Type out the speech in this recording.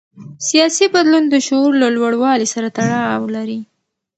سیاسي بدلون د شعور له لوړوالي سره تړاو لري